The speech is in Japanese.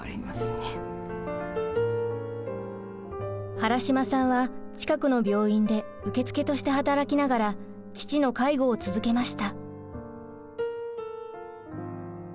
原島さんは近くの病院で受付として働きながら父の介護を続けました。